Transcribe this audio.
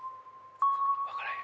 分からへん